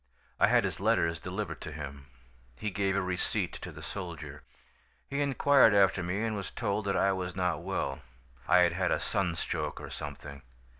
"I had his letters delivered to him. He gave a receipt to the soldier. He inquired after me and was told that I was not well. I had had a sunstroke, or something.